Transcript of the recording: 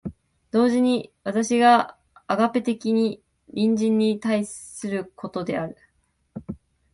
同時に私がアガペ的に隣人に対することである。